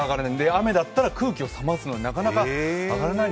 雨だったら空気を冷ますので、なかなか上がらないと。